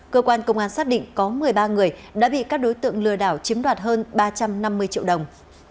cơ quan công an xác định có một mươi ba người đã bị các đối tượng lừa đảo chiếm đoạt hơn ba trăm năm mươi triệu đồng